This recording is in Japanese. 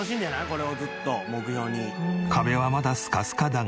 これをずっと目標に」